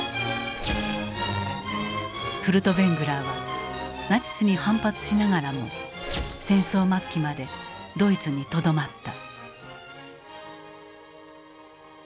フルトヴェングラーはナチスに反発しながらも戦争末期までドイツにとどまった。